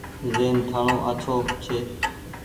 زهين ٺآڻو آڇو ڇي۔